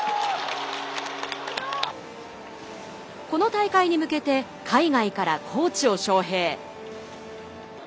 この大会に向けて海外からコーチを招聘。